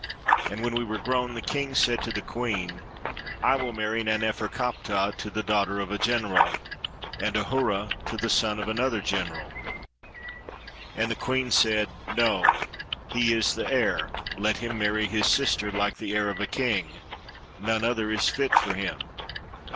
And when we were grown, the king said to the queen, " I will marry Nanef erkaptah to the daughter of a gen eral, and Ahura to the son of another general." And the queen said, "No, he is the heir, let him marry his sister, like the heir of a king, none other is fit for him."